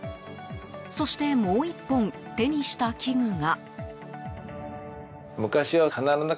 そして、もう１本手にした器具が。